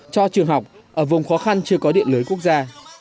cho trường học ở vùng khó khăn chưa có điện lưới quốc gia